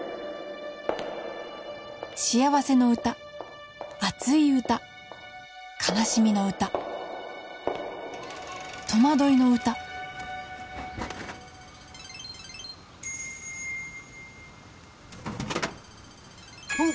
幸せの歌熱い歌かなしみの歌戸惑いの歌おっ！